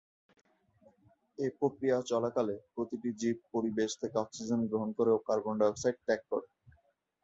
এ প্রক্রিয়া চলাকালে প্রতিটি জীব পরিবেশ থেকে অক্সিজেন গ্রহণ করে ও কার্বন ডাই অক্সাইড ত্যাগ করে।